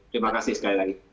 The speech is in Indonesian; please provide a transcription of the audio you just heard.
terima kasih sekali lagi